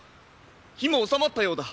火も収まったようだ。